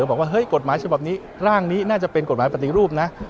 บอกว่าเฮ้ยกฎหมายฉบับนี้ร่างนี้น่าจะเป็นกฎหมายปฏิรูปนะ